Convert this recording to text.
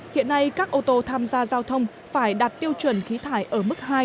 hiện nay các ô tô tham gia giao thông phải đạt tiêu chuẩn khí thải ở mức hai